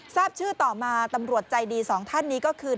ทราบชื่อต่อมาตำรวจใจดีสองท่านนี้ก็คือ